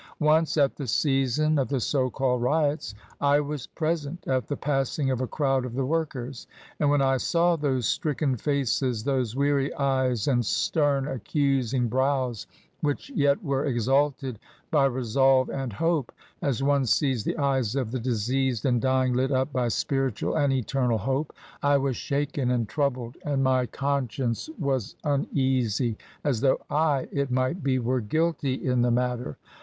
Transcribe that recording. Once, at the season of the so called riots, I was present at the passing of a crowd of the workers. And when I saw those stricken faces, those weary eyes and stem, accusing brows, which yet were exalted by resolve and hope — as one sees the eyes of the diseased and dying lit up by spiritual and eternal hope — I was shaken and troubled, and my con science was uneasy, as though I, it might be, were guilty in the matter.